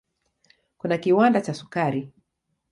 Kuna kiwanda cha sukari.